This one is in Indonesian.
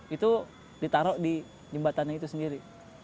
itu ditaruh di jembatannya itu sendiri